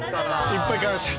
いっぱい買いました。